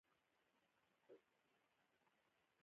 چيلم ته يې وکتل.